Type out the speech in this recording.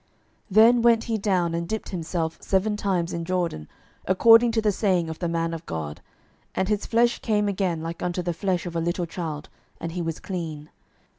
12:005:014 Then went he down, and dipped himself seven times in Jordan, according to the saying of the man of God: and his flesh came again like unto the flesh of a little child, and he was clean.